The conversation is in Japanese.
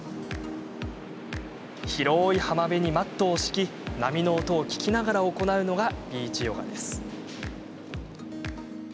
広い浜辺にマットを敷き波の音を聞きながら行うのがビーチヨガです。